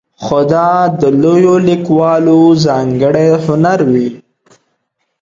خو دا د لویو لیکوالو ځانګړی هنر وي.